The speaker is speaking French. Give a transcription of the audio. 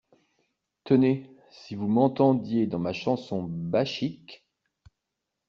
Tenez, si vous m’entendiez dans ma chanson bachique !